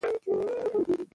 چې تر اوسه پورې په